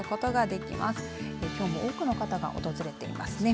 きょうも多くの方が訪れていますね。